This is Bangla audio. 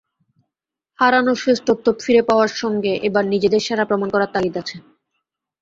হারানো শ্রেষ্ঠত্ব ফিরে পাওয়ার সঙ্গে এবার নিজেদের সেরা প্রমাণ করার তাগিদ আছে।